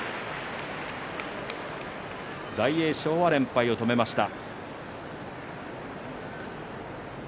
大栄翔は連敗を止めました。